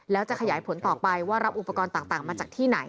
แล้วจะขยายผลต่อไปว่ารับอุปกรณ์ต่างมาจากที่ไหน